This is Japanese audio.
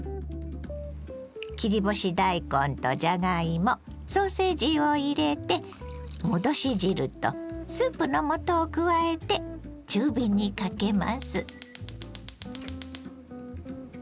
切り干し大根とじゃがいもソーセージを入れて戻し汁とスープの素を加えて中火にかけます。